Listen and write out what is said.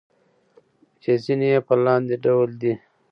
چې ځينې يې په لاندې ډول دي: